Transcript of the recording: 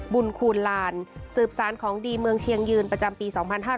คูณลานสืบสารของดีเมืองเชียงยืนประจำปี๒๕๕๙